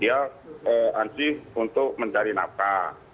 dia sudah berusaha untuk mencari nafkah